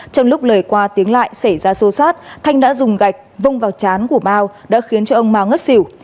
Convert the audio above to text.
trong lúc lời qua tiếng lại xảy ra xô xát thanh đã dùng gạch vông vào chán của mau đã khiến cho ông mau ngất xỉu